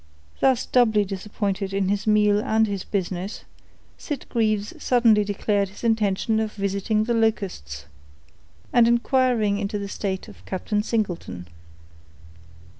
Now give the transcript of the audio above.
Thus doubly disappointed in his meal and his business, Sitgreaves suddenly declared his intention of visiting the Locusts, and inquiring into the state of Captain Singleton.